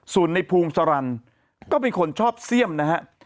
ส่วนในภูมิสารันก็เป็นคนชอบเสี่ยมนะฮะ